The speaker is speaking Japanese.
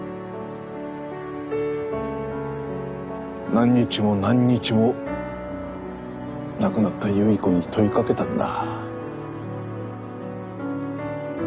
何日も何日も亡くなった有依子に問いかけたんだ。